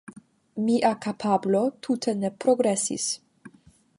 Mia kapablo tute ne progresis